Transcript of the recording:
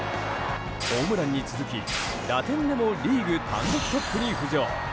ホームランに続き、打点でもリーグ単独トップに浮上。